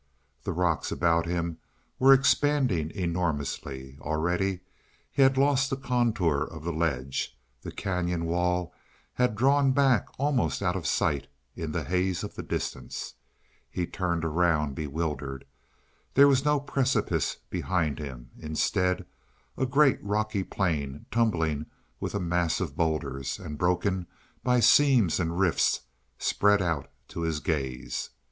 The rocks about him were expanding enormously. Already he had lost the contour of the ledge. The cañon wall had drawn back almost out of sight in the haze of the distance. He turned around, bewildered. There was no precipice behind him. Instead, a great, rocky plain, tumbling with a mass of boulders, and broken by seams and rifts, spread out to his gaze.